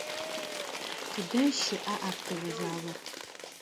Тыдэ щыӏа актовэ залыр?